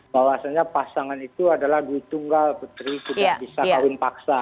bahwasannya pasangan itu adalah gutu nggak putri sudah bisa kawin paksa